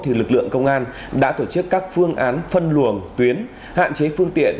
thì lực lượng công an đã tổ chức các phương án phân luồng tuyến hạn chế phương tiện